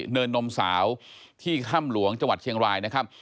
เนินนมสาวที่ถ้ำหลวงจังหวัดเชียงรายนะครับ